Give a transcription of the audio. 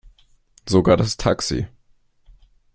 Sogar das Taxi.